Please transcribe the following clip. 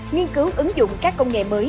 nghiên cứu ứng dụng các công nghệ mới